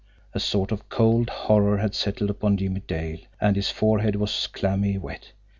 A sort of cold horror had settled upon Jimmie Dale, and his forehead was clammy wet.